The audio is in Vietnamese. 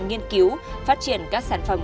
nhiên cứu phát triển các sản phẩm